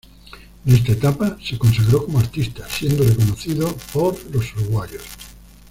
En esta etapa, se consagró como artista, siendo reconocido por los uruguayos.